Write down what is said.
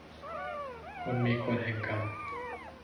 คนมีกฎแห่งกรรม